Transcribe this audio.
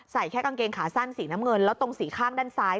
แค่กางเกงขาสั้นสีน้ำเงินแล้วตรงสีข้างด้านซ้าย